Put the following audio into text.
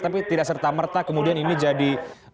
tapi tidak serta merta kemudian ini jadi